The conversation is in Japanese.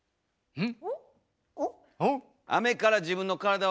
うん。